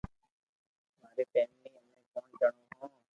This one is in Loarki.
ماري فيملي امي پونچ جڻو ھون